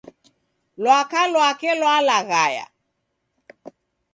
Lwaka lwake lwalaghaya